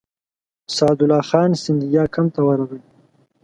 سعدالله خان سیندیا کمپ ته ورغی.